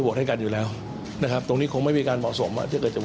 เท่ากับว่าซีก